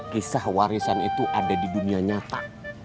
kisah warisan itu ada di dunia nyata